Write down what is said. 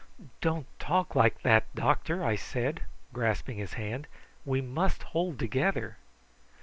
"Don't talk like that, doctor!" I said, grasping his hand. "We must hold together."